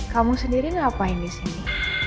kamu sendiri ngapain di sini